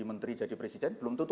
menteri jadi presiden belum tutup